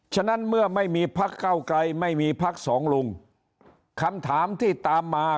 ฉะนั้นเมื่อไม่มีพักเก้าไกรไม่มีพักสองลุงคำถามที่ตามมา